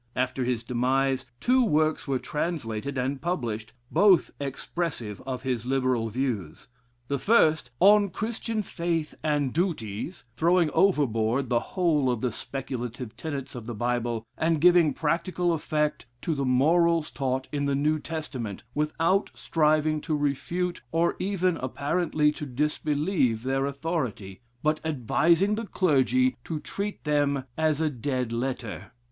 After his demise, two works were translated (and published,) both expressive of his liberal views. The first, "On Christian Faith and Duties," throwing overboard the whole of the speculative tenets of the Bible, and giving practical effect to the morals taught in the New Testament, without striving to refute, or even apparently to disbelieve, their authority, but advising the clergy to treat them as a dead letter.